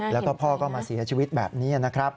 แล้วก็พ่อก็มาเสียชีวิตแบบนี้นะครับ